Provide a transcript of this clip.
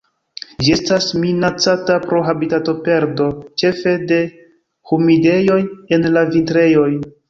Ĝi estas minacata pro habitatoperdo, ĉefe de humidejoj en la vintrejoj.